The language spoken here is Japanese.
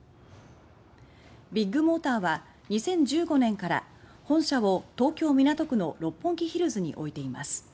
ビッグモーターは２０１５年から本社を東京・港区の六本木ヒルズにおいています。